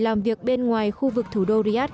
làm việc bên ngoài khu vực thủ đô riyadh